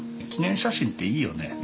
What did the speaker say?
記念写真っていいよね